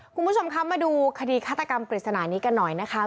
คุณผู้ชมคะมาดูคดีฆาตกรรมปริศนานี้กันหน่อยนะคะ